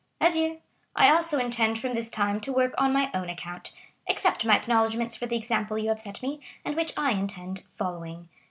Adieu! I also intend from this time to work on my own account. Accept my acknowledgments for the example you have set me, and which I intend following.